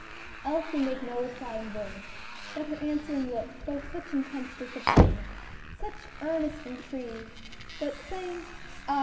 Elsie made no reply in words, but her answering look spoke such intense disappointment, such earnest entreaty, that, saying, "Ah!